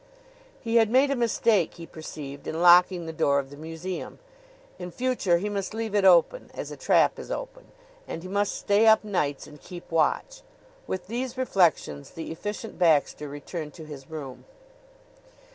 He had made a mistake, he perceived, in locking the door of the museum. In future he must leave it open, as a trap is open; and he must stay up nights and keep watch. With these reflections, the Efficient Baxter returned to his room.